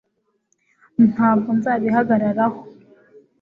ntabwo nzabihagararaho